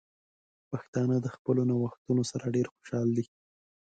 پښتانه د خپلو نوښتونو سره ډیر خوشحال دي.